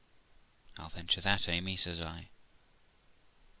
'I'll venture that, Amy', says I.